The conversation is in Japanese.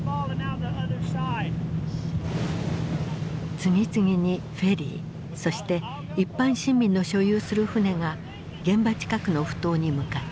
次々にフェリーそして一般市民の所有する船が現場近くの埠頭に向かった。